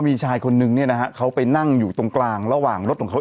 มีชายคนนึงเนี่ยนะฮะเขาไปนั่งอยู่ตรงกลางระหว่างรถของเขา